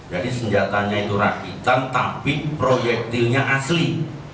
senjatanya itu rakitan tapi proyektilnya asli